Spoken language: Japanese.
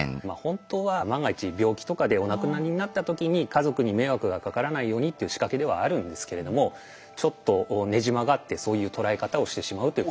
まあほんとは万が一病気とかでお亡くなりになった時に家族に迷惑がかからないようにっていう仕掛けではあるんですけれどもちょっとねじ曲がってそういう捉え方をしてしまう。